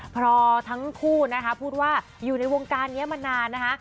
เพราะทั้งคู่นะคะพูดว่าอยู่ในวงการนี้มานานนะคะ